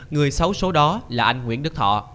người xấu số đó là anh nguyễn đức thọ